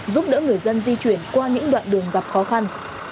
giúp đỡ người dân di chuyển qua những đoạn đường gặp khó khăn